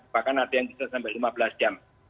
bahkan ada yang bisa sampai lima belas jam